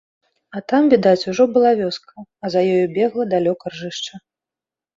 А там відаць ужо была вёска, а за ёю бегла далёка ржышча.